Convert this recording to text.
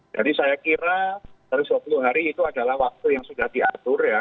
jadi saya kira satu ratus dua puluh hari itu adalah waktu yang sudah diatur ya